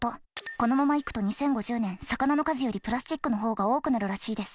このままいくと２０５０年魚の数よりプラスチックの方が多くなるらしいです。